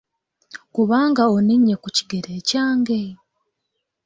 Kubanga oninnye ku kigere kyange!